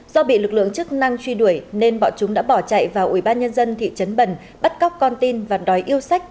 do bị lực lượng chức năng truy đuổi nên bọn chúng đã bỏ chạy vào ủy ban nhân dân thị trấn bần bắt cóc con tin và đòi yêu sách